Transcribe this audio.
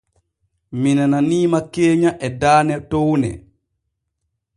Mi nananiima keenya e daane towne.